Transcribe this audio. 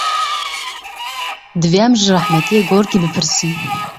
Divê em ji rehmetiyê Gorkî bipirsin.